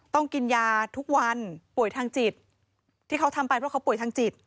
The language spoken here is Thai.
ต้องกินยาทุกวันป่วยทางจิตที่เขาทำไปเพราะเขาป่วยทางจิต